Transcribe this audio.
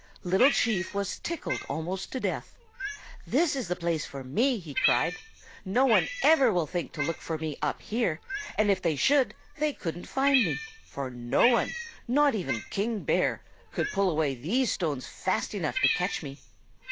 Little Chief was tickled almost to death. "'This is the place for me!' he cried. 'No one ever will think to look for me up here, and if they should they couldn't find me, for no one, not even King Bear, could pull away these stones fast enough to catch me.